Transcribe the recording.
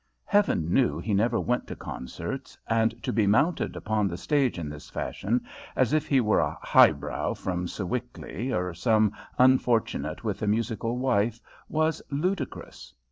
Heaven knew he never went to concerts, and to be mounted upon the stage in this fashion, as if he were a "highbrow" from Sewickley, or some unfortunate with a musical wife, was ludicrous.